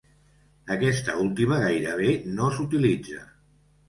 Aquesta última gairebé no s'utilitza.